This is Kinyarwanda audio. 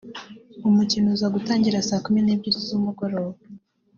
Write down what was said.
umukino uza gutangira Saa kumi n’ebyiri z’umugoroba